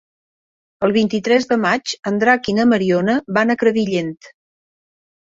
El vint-i-tres de maig en Drac i na Mariona van a Crevillent.